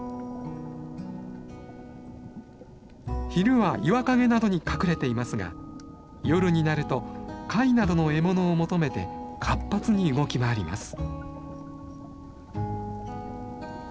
昼は岩陰などに隠れていますが夜になると貝などの獲物を求めて活発に動き回ります。